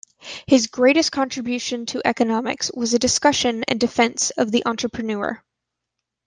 His greatest contribution to economics was a discussion and defense of the entrepreneur.